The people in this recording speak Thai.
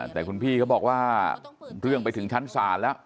แต่คุณพี่เขาบอกว่าเรื่องไปถึงชั้นศาลแล้ว